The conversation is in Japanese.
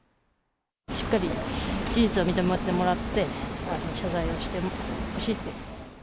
しっかり事実を認めてもらって、謝罪してほしいって。